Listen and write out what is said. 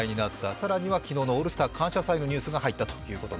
さらには昨日の「オールスター感謝祭」のニュースが入りました。